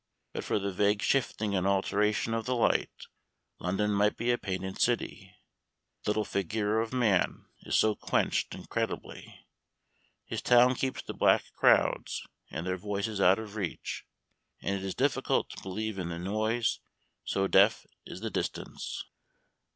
But for the vague shifting and alteration of the light, London might be a painted city. The little figure of man is so quenched, incredibly. His town keeps the black crowds and their voices out of reach, and it is difficult to believe in the noise, so deaf is the distance.